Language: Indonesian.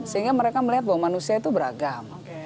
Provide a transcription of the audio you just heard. sehingga mereka melihat bahwa manusia itu beragam